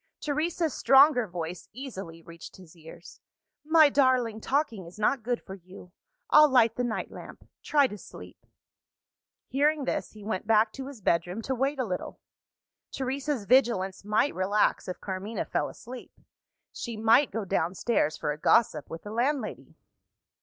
Teresa's stronger voice easily reached his ears. "My darling, talking is not good for you. I'll light the night lamp try to sleep." Hearing this, he went back to his bedroom to wait a little. Teresa's vigilance might relax if Carmina fell asleep. She might go downstairs for a gossip with the landlady.